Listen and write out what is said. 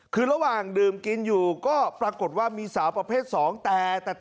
คือระหว่างดื่มกินอยู่ก็ปรากฏว่ามีสาวประเภท๒แต่